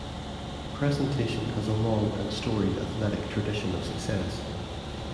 Presentation has a long and storied athletic tradition of success.